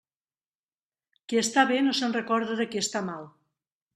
Qui està bé no se'n recorda de qui està mal.